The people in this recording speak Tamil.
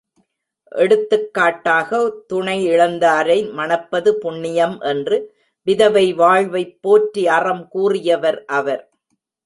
எடுத்தக்காட்டாக, துணையிழந்தாரை மணப்பது புண்ணியம் என்று விதவை வாழ்வைப் போற்றி அறம் கூறியவர் அவர்.